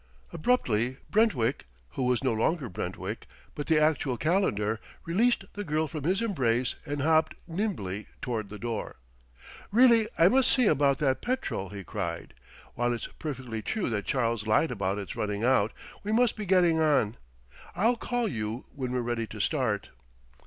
Abruptly Brentwick, who was no longer Brentwick, but the actual Calendar, released the girl from his embrace and hopped nimbly toward the door. "Really, I must see about that petrol!" he cried. "While it's perfectly true that Charles lied about it's running out, we must be getting on. I'll call you when we're ready to start."